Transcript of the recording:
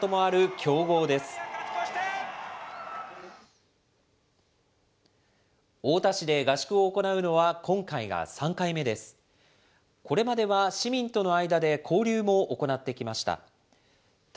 これまでは、市民との間で交流も行ってきました。